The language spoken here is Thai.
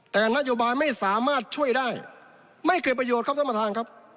แต่นโยบายไม่สามารถช่วยได้ไม่เกิดประโยชน์ครับท่านประธานครับ